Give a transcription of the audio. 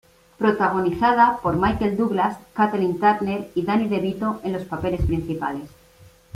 Protagonizada por Michael Douglas, Kathleen Turner y Danny DeVito en los papeles principales.